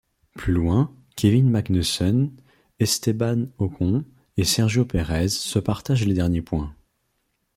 Plus loin, Kevin Magnussen, Esteban Ocon et Sergio Pérez se partagent les derniers points.